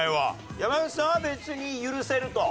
山口さんは別に許せると。